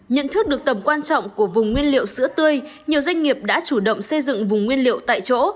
nhận thức được tầm quan trọng của vùng nguyên liệu sữa tươi nhiều doanh nghiệp đã chủ động xây dựng vùng nguyên liệu tại chỗ